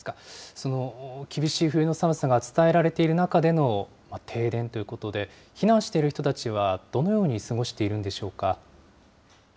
その厳しい冬の寒さが伝えられている中での停電ということで、避難している人たちは、どのように過ごしているんでしょうか。